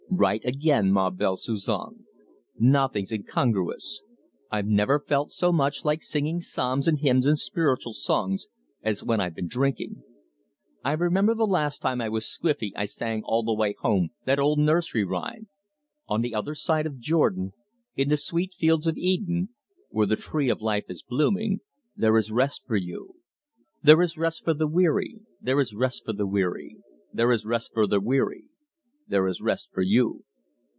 "Right again, ma belle Suzon. Nothing's incongruous. I've never felt so much like singing psalms and hymns and spiritual songs as when I've been drinking. I remember the last time I was squiffy I sang all the way home that old nursery hymn: "'On the other side of Jordan, In the sweet fields of Eden, Where the tree of life is blooming, There is rest for you. There is rest for the weary, There is rest for the weary, There is rest for the weary, There is rest for you!